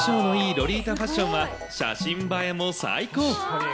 ロリータファッションは、写真映えも最高。